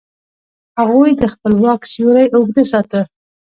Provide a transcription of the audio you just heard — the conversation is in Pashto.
هغوی د خپل واک سیوری اوږده ساته.